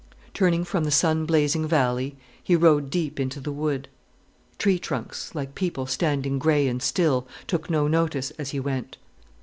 Turning from the sun blazing valley, he rode deep into the wood. Tree trunks, like people standing grey and still, took no notice as he went.